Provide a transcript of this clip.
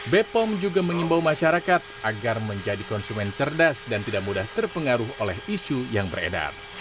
bepom juga mengimbau masyarakat agar menjadi konsumen cerdas dan tidak mudah terpengaruh oleh isu yang beredar